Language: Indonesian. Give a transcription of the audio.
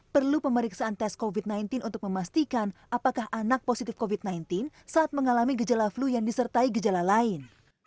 perlu pemeriksaan tes covid sembilan belas untuk memastikan apakah anak positif covid sembilan belas saat mengalami gejala flu yang disertai gejala lain